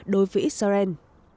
đối với israel